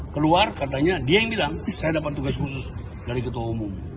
keluar katanya dia yang bilang saya dapat tugas khusus dari ketua umum